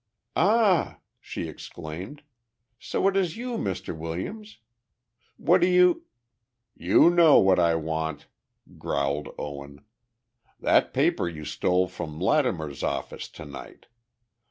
"Ah!" she exclaimed. "So it is you, Mr. Williams! What do you " "You know what I want," growled Owen. "That paper you stole from Lattimer's office to night.